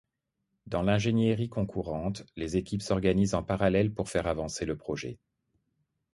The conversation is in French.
Dans l’ingénierie concourante, les équipes s’organisent en parallèle pour faire avancer le projet.